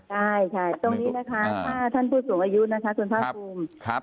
ใช่ค่ะตรงนี้นะคะถ้าท่านผู้สูงอายุนะคะคุณภาคภูมิ